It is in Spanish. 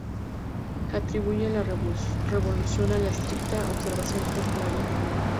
Atribuye la revolución a la estricta observancia templaria.